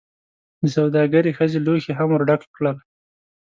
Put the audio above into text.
دسوداګرې ښځې لوښي هم ورډک کړل.